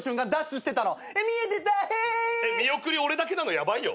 見送り俺だけなのヤバいよ？